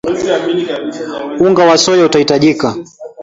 Unga wa soya utahitajika